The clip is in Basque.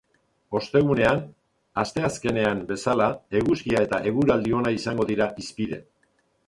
Ostegunean, asteazkenean bezala, eguzkia eta eguraldi ona izango dira hizpide.